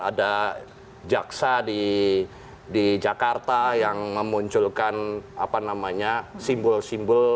ada jaksa di jakarta yang memunculkan simbol simbol